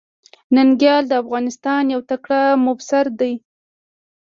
ننګيال د افغانستان يو تکړه مبصر ده.